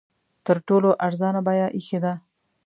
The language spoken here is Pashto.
تر ټولو ارزانه بیه ایښې ده.